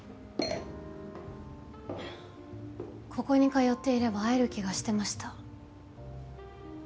ここに通っていれば会える気がしてました。